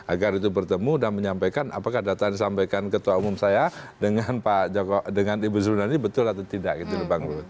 agar itu bertemu dan menyampaikan apakah data yang disampaikan ketua umum saya dengan ibu zulan ini betul atau tidak gitu loh bang luhut